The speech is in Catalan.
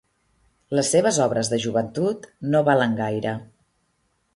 Les seves obres de joventut no valen gaire.